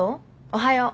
おはよう。